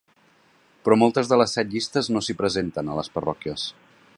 Però moltes de les set llistes no s’hi presenten, a les parròquies.